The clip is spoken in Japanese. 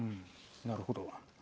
なるほど。